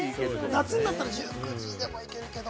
夏になったら１９時でもいけるけど。